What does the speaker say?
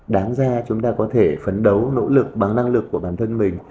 đáng ra chúng ta có thể phấn đấu nỗ lực bằng năng lực của bản thân mình